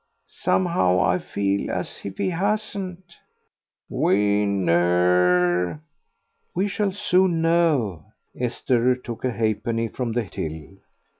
Somehow I feel as if he hasn't." "Win ner." "We shall soon know." Esther took a halfpenny from the till.